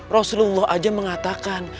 rasulullah aja mengatakan